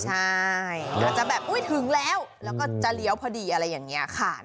ใช่อาจจะแบบอุ๊ยถึงแล้วแล้วก็จะเลี้ยวพอดีอะไรอย่างนี้ค่ะ